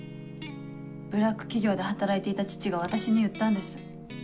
ブラック企業で働いていた父が私に言ったんです。